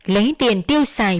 lấy tiền tiêu xài